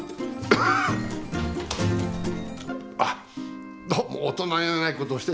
ああどうも大人気ないことをしてしまって。